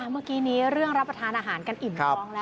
เมื่อกี้นี้เรื่องรับประทานอาหารกันอิ่มท้องแล้ว